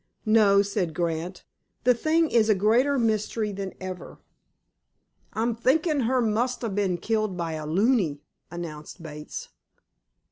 "No," said Grant. "The thing is a greater mystery than ever." "I'm thinkin' her mun ha' bin killed by a loony," announced Bates.